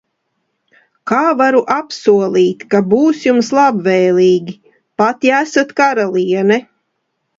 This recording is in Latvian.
Kā varu apsolīt, ka būs jums labvēlīgi, pat ja esat karaliene?